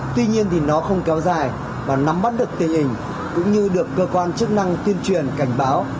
tuy nhiên thì nó không kéo dài và nắm bắt được tình hình cũng như được cơ quan chức năng tuyên truyền cảnh báo